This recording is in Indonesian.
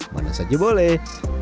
mana saja boleh